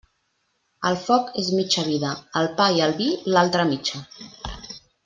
El foc és mitja vida; el pa i el vi, l'altra mitja.